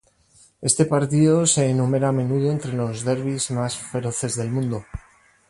Este partido se enumera a menudo entre los derbis más feroces del mundo.